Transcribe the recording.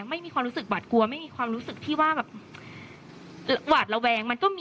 ไม่มีความรู้สึกหวาดกลัวไม่มีความรู้สึกที่ว่าแบบหวาดระแวงมันก็มี